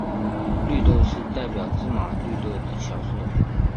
绿豆是代表芝麻绿豆的小事。